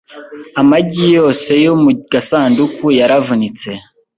Amagi yose yo mu gasanduku yaravunitse .